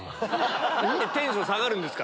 何でテンション下がるんですか？